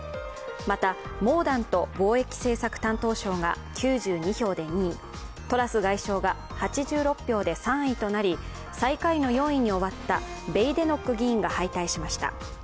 また、モーダント貿易政策担当相が９２票で２位、トラス外相が８６票で３位となり最下位の４位に終わったベイデノック議員が敗退しました。